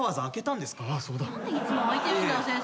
何でいつも開いてるんだよ。